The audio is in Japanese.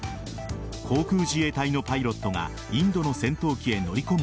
航空自衛隊のパイロットがインドの戦闘機へ乗り込む